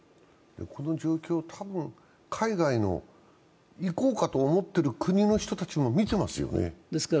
この状況、たぶん、海外の行こうかと思っている国の人たちも見ていますよね。